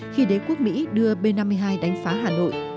khi đế quốc mỹ đưa b năm mươi hai đánh phá hà nội